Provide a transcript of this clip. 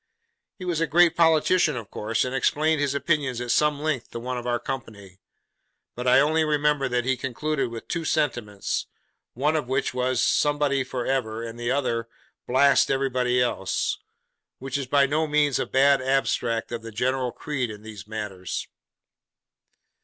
He was a great politician of course, and explained his opinions at some length to one of our company; but I only remember that he concluded with two sentiments, one of which was, Somebody for ever; and the other, Blast everybody else! which is by no means a bad abstract of the general creed in these matters.